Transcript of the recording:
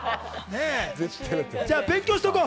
じゃあ、勉強しておこう。